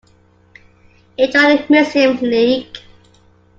He joined the Muslim League.